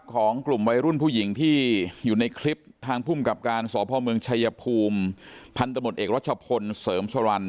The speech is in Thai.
ของกลุ่มวัยรุ่นผู้หญิงที่อยู่ในคลิปทางภูมิกับการสพเมืองชายภูมิพันธมตเอกรัชพลเสริมสรรค